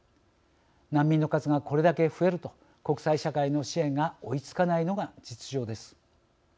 難民の数がこれだけ増えると国際社会の支援が追いつかないのが実情です。